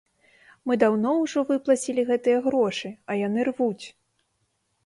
Мы даўно ўжо выплацілі гэтыя грошы, а яны рвуць!